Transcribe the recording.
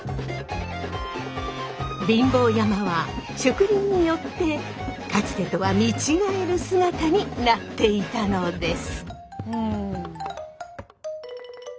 貧乏山は植林によってかつてとは見違える姿になっていたのです。